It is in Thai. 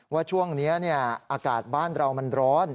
ว่าช่วงนี้อากาศบ้านเรามันร้อน